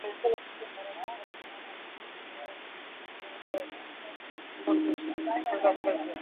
তার অপকর্মে আমরা অতিষ্ঠ হইয়া পড়ছি, আমরার জীবন শেষ কইরা ফালাইছে।